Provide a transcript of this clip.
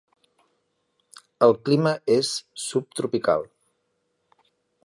El clima és subtropical.